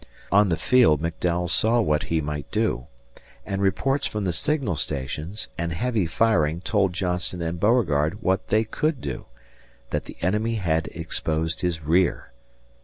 On the field McDowell saw what he might do; and reports from the signal stations and heavy firing told Johnston and Beauregard what they could do that the enemy had exposed his rear.